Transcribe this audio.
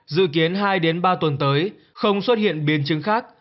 dự kiến hai ba tuần tới không xuất hiện biến chứng khác